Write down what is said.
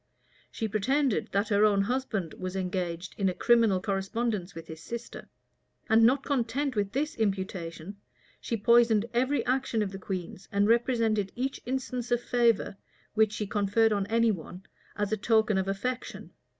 She pretended that her own husband was engaged in a criminal correspondence with his sister; and not content with this imputation, she poisoned every action of the queen's, and represented each instance of favor, which she conferred on any one, as a token of affection.